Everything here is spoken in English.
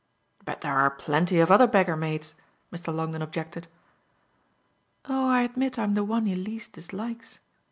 "But there are plenty of other beggar maids," Mr. Longdon objected. "Oh I admit I'm the one he least dislikes.